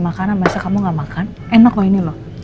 makanan masa kamu gak makan enak kok ini loh